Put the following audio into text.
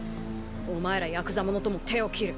お前らヤクザ者とも手を切る。